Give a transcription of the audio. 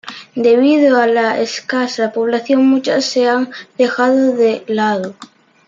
Debido a la escasa población, muchas se han dejado de lado.